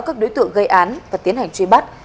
các đối tượng gây án và tiến hành truy bắt